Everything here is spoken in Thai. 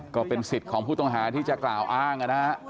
ก็เป็นสิทธิ์ของผู้ต้องหาที่จะกล่าวอ้างนะฮะ